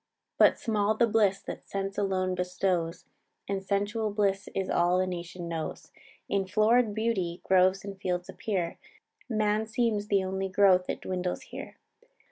"But small the bliss that sense alone bestows, And sensual bliss is all the nation knows. In florid beauty groves and fields appear, Man seems the only growth that dwindles here.